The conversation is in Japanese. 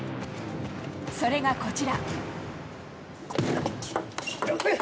それがこちら。